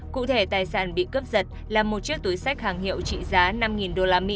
cụ thể tài sản bị cướp giật là một chiếc túi sách hàng hiệu trị giá năm usd